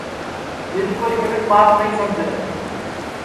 جِد کوئی مینکھ ٻات نائی سمجے